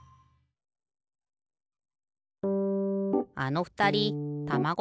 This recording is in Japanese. あのふたりたまご